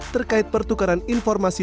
terkait pertukaran informasi